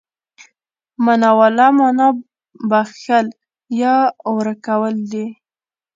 مناوله مانا بخښل، يا ورکول ده.